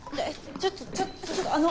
ちょっとちょっとあの。